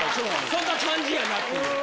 そんな感じやなっていう。